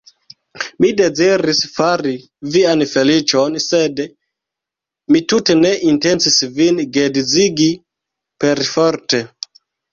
Mi deziris fari vian feliĉon, sed mi tute ne intencis vin geedzigi perforte.